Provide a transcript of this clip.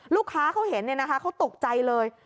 ลูกค้าเขาเห็นเนี่ยนะคะเขาตกใจเลย